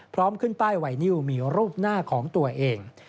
พร้อมขึ้นป้ายไวนิวมีรูปหน้าของตัวเอง